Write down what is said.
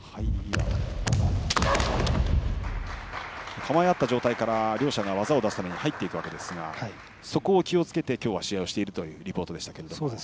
構え合った状態から両者が技を出すために入っていくわけですがそこを気をつけて今日は試合をしているというリポートでしたが。